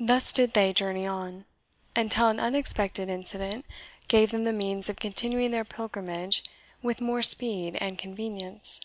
Thus did they journey on, until an unexpected incident gave them the means of continuing their pilgrimage with more speed and convenience.